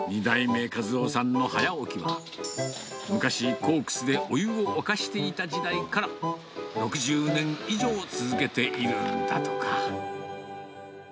２代目、和夫さんの早起きは、昔、コークスでお湯を沸かしていた時代から、６０年以上続けているんだとか。